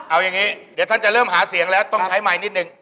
เดี๋ยวท่านจะเริ่มหาเสียงแล้วต้องใช้ไมน์นิดหนึ่ง